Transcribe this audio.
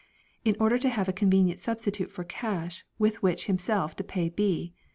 in order to have a convenient substitute for cash with which himself to pay B.